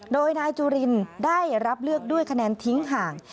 โดยนายจุลินได้รับเลือกด้วยคะแนนทิ้งห่าง